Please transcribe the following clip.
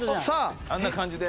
あんな感じで。